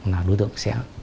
là đối tượng sẽ